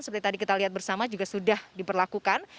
seperti tadi kita lihat bersama juga sudah diperlakukan